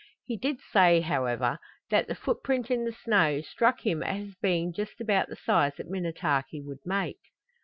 He did say, however, that the footprint in the snow struck him as being just about the size that Minnetaki would make.